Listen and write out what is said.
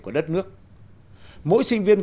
của đất nước mỗi sinh viên